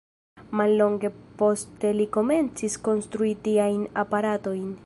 Mallonge poste li komencis konstrui tiajn aparatojn.